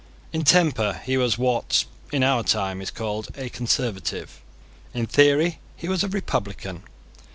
In temper he was what, in our time, is called a Conservative: in theory he was a Republican.